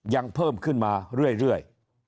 ยังเพิ่มขึ้นมาเรื่อย